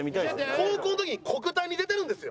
高校の時に国体に出てるんですよ。